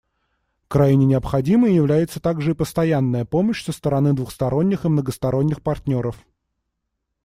Крайне необходимой является также и постоянная помощь со стороны двусторонних и многосторонних партнеров.